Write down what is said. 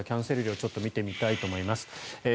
キャンセル料を見てみたいと思います。